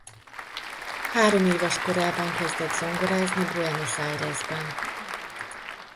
Hároméves korában kezdett zongorázni Buenos Airesben.